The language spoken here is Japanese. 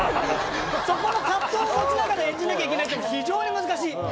そこの藤を持ちながら演じなきゃいけないっていうの非常に難しい。